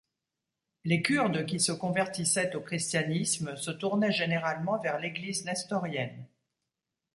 Les Kurdes qui se convertissaient au christianisme se tournaient généralement vers l'Église nestorienne.